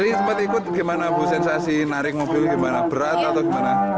tadi sempat ikut gimana bu sensasi narik mobil gimana berat atau gimana